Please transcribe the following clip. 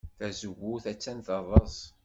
Tazewwut attan terreẓ.